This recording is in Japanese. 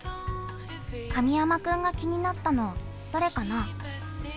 神山君が気になったのはどれかな？